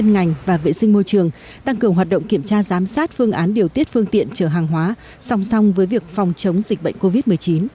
ngành và vệ sinh môi trường tăng cường hoạt động kiểm tra giám sát phương án điều tiết phương tiện chở hàng hóa song song với việc phòng chống dịch bệnh covid một mươi chín